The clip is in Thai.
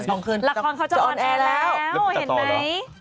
ละครเขาจะออนแอร์แล้วเห็นไหม